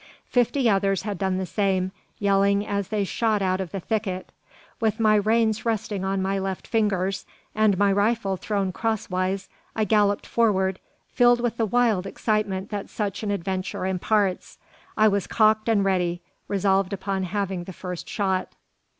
Fifty others had done the same, yelling as they shot out of the thicket. With my reins resting on my left fingers, and my rifle thrown crosswise, I galloped forward, filled with the wild excitement that such an adventure imparts. I was cocked and ready, resolved upon having the first shot.